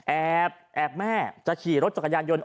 แอบแม่จะขี่รถจักรยานยนต